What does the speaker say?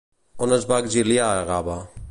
On es va exiliar Agave?